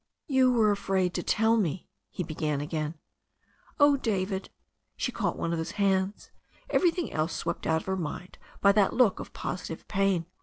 "You were afraid to tell me " he began again. "Oh, David," she caught one of his hands, everything else swept out of her mind by that look of positive pain.